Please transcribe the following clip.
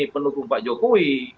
penelukung pak jokowi